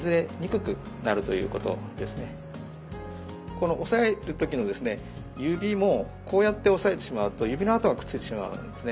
この押さえる時の指もこうやって押さえてしまうと指の跡がくっついてしまうんですね。